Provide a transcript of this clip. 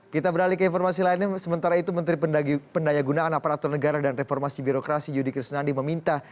kita beralih ke informasi lainnya sementara itu menteri pendaya gunaan aparatur negara dan reformasi birokrasi yudi krisnandi meminta